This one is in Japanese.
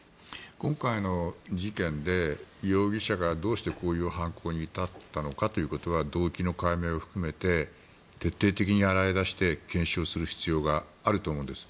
今回の事件で容疑者がどうしてこういう犯行に至ったのかということは動機の解明を含めて徹底的に洗い出して検証する必要があると思うんです。